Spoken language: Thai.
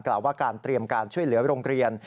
ว่าการเตรียมการช่วยเหลือโรงเรียน